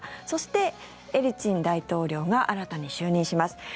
そして、エリツィン大統領が新たに就任します。